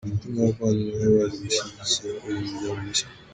Inshuti n’abavandimwe bari baje gushyigikira uyu muryango mushya.